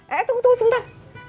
eh tunggu tunggu sebentar